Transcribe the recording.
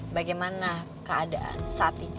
bagaimana keadaan saat ini